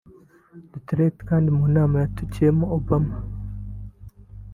Duterte kandi mu nama yatukiyemo Obama